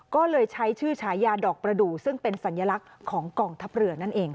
ก็เลยใช้ชื่อฉายาดอกประดูกซึ่งเป็นสัญลักษณ์ของกองทัพเรือนั่นเอง